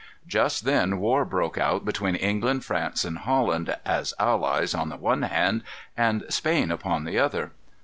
Just then war broke out between England, France, and Holland, as allies, on the one hand, and Spain upon the other.